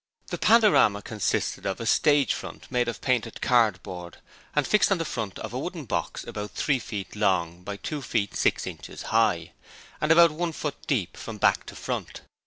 The 'Pandorama' consisted of a stage front made of painted cardboard and fixed on the front of a wooden box about three feet long by two feet six inches high, and about one foot deep from back to front.